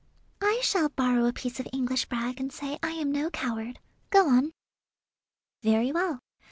"I shall borrow a piece of English brag and say I am no coward. Go on." "Very well.